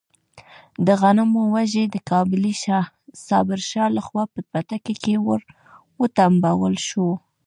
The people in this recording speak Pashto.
د غنمو وږی د کابلي صابر شاه لخوا په پټکي کې ور وټومبل شو.